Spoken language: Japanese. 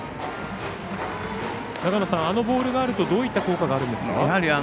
あのボールがあるとどういった効果があるんですか。